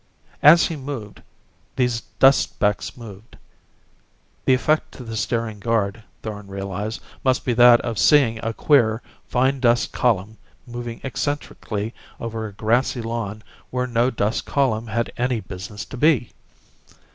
As he moved, these dust specks moved. The effect to the staring guard, Thorn realized, must be that of seeing a queer, fine dust column moving eccentrically over a grassy lawn where no dust column had any business to be.